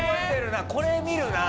これ見るなあ。